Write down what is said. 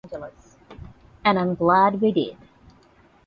And I’m glad we did.